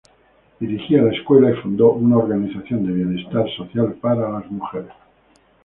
Dirigía la escuela y fundó una organización de bienestar social para las mujeres.